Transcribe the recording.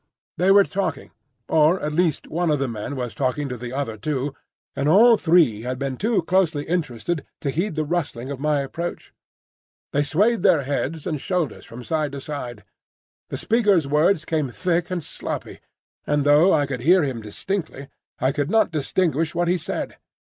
They were talking, or at least one of the men was talking to the other two, and all three had been too closely interested to heed the rustling of my approach. They swayed their heads and shoulders from side to side. The speaker's words came thick and sloppy, and though I could hear them distinctly I could not distinguish what he said.